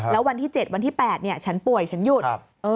แล้ววันที่๗วันที่๘ฉันป่วยฉันหยุด